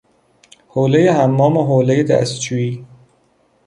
حوله حمام و حوله دستشویی